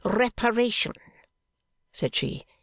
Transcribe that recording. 'Reparation!' said she.